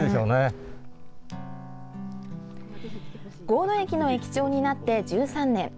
神戸駅の駅長になって１３年。